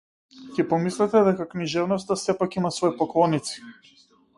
Ќе помислите дека книжевноста сепак има свои поклоници.